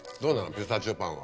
ピスタチオパンは。